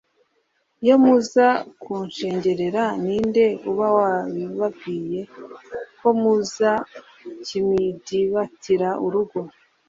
Iyo muza kunshengerera, ni nde uba wababwiye ko muza kimdibatira urugo?